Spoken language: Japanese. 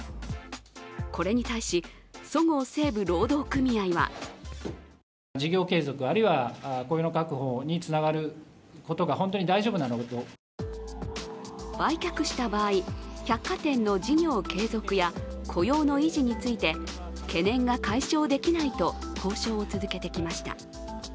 これに対し、そごう・西武労働組合は売却した場合、百貨店の事業継続や雇用の維持について懸念が解消できないと交渉を続けてきました。